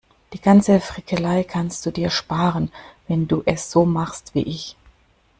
Die ganze Frickelei kannst du dir sparen, wenn du es so machst wie ich.